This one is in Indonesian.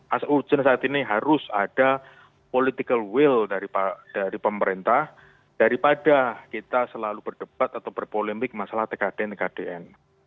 as urgent saat ini harus ada political will dari pemerintah daripada kita selalu berdebat atau berpolemik masalah tkdn tkdn